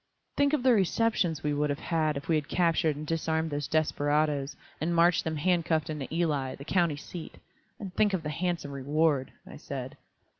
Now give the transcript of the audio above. "Think of the receptions we would have had if we had captured and disarmed those desperadoes, and marched them handcuffed into Ely, the county seat! And think of the handsome reward," I said.